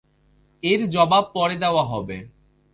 এর জবাব পরে দেওয়া হবে।